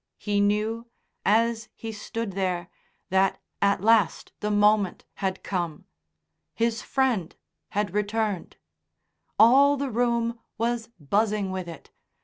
He knew, as he stood there, that at last the moment had come. His friend had returned. All the room was buzzing with it.